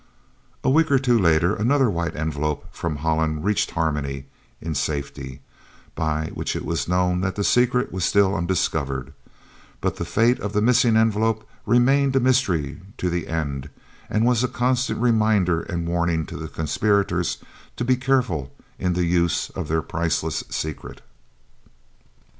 A week or two later another White Envelope from Holland reached Harmony in safety, by which it was known that the secret was still undiscovered, but the fate of the missing envelope remained a mystery to the end, and was a constant reminder and warning to the conspirators to be careful in the use of their priceless secret.